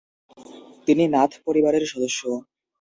তিনি নাথ পরিবারের সদস্য।